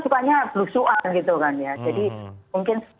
sukanya belusuan gitu kan ya jadi mungkin